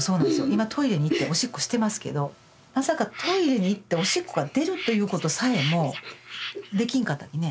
今トイレに行っておしっこしてますけどまさかトイレに行っておしっこが出るということさえもできんかったきね。